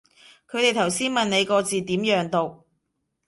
佢哋頭先問你個字點樣讀